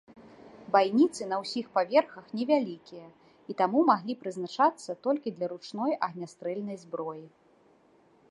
Байніцы на ўсіх паверхах невялікія, і таму маглі прызначацца толькі для ручной агнястрэльнай зброі.